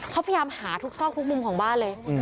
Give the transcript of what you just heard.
เขาพยายามหาทุกซอกทุกมุมของบ้านเลย